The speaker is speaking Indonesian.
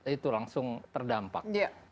itu langsung terdampak